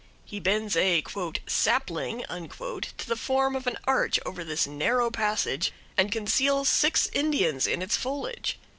He bends a "sapling" to the form of an arch over this narrow passage, and conceals six Indians in its foliage.